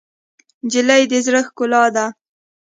نجلۍ د زړه ښکلا ده.